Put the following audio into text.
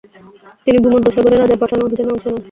তিনি ভূমধ্যসাগরে রাজার পাঠানো অভিযানে অংশ নেন।